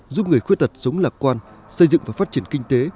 giúp người khuyết tật sống lạc quan xây dựng và phát triển kinh tế